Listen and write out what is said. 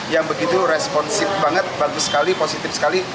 yang begitu responsif banget bagus sekali positif sekali